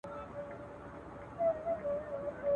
شپې دي روڼي ورځي تیري په ژړا سي.